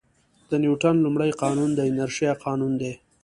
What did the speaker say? د نیوټن لومړی قانون د انرشیا قانون دی.